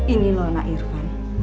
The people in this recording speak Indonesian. ini loh anak irfan